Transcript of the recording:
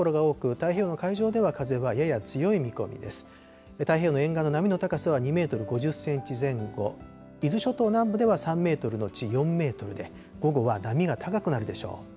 太平洋の沿岸の波の高さは、２メートル５０センチ前後、伊豆諸島南部では３メートル後４メートルで、午後は波が高くなるでしょう。